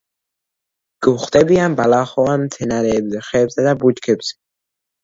გვხვდებიან ბალახოვან მცენარეებზე, ხეებსა და ბუჩქებზე.